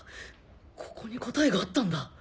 ここに答えがあったんだ。